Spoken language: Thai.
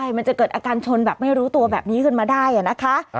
มันจะเกิดอาการชนแบบไม่รู้ตัวแบบนี้ขึ้นมาได้นะคะ